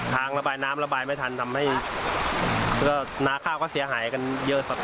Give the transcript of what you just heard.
ระบายน้ำระบายไม่ทันทำให้แล้วก็นาข้าวก็เสียหายกันเยอะครับ